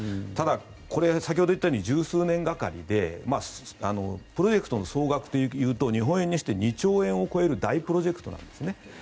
ただ、先ほど言ったように１０数年がかりでプロジェクトの総額で言うと日本円にして２兆円を超える大プロジェクトなんですね。